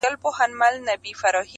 o ژوند له پوښتنو ډک پاتې کيږي,